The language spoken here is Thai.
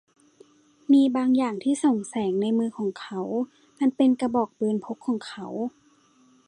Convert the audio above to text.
มีบางอย่างที่ส่องแสงในมือของเขา มันเป็นกระบอกปืนพกของเขา